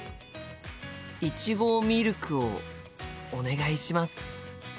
いちごミルクをお願いします。